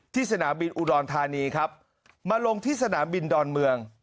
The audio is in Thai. สนามบินอุดรธานีครับมาลงที่สนามบินดอนเมือง